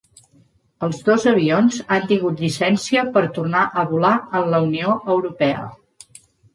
Els dos avions han tingut llicència per tornar a volar en la Unió Europea.